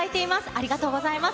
ありがとうございます。